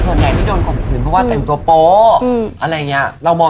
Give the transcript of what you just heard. ส่วนใดที่โดนคนอื่นเพราะว่าแตนตัวโปะอืมอะไรอย่างเงี้ยเรามอง